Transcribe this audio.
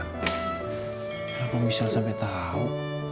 kenapa michelle sampai tau